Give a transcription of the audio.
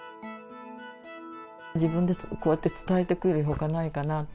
自分でこうやって伝えていくよりほかないかなって。